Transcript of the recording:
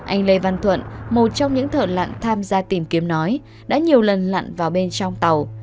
anh lê văn thuận một trong những thợ lặn tham gia tìm kiếm nói đã nhiều lần lặn vào bên trong tàu